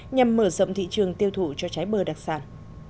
nhằm mở rộng thị trường tiêu thụ cho trái bơ đặc sản